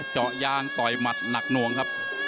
เจาะยางต่อยหมัดหนักหน่วงครับ